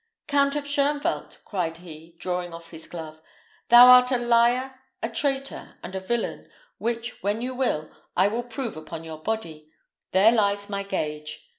"Count of Shoenvelt!" cried he, drawing off his glove, "thou art a liar, a traitor, and a villain, which, when you will, I will prove upon your body. There lies my gage!"